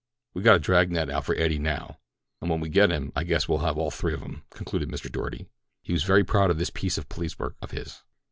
"We got a drag net out for Eddie now, an' when we get him I guess we'll have all three of 'em,'' concluded Mr. Doarty. He was very proud of this piece of police work of his.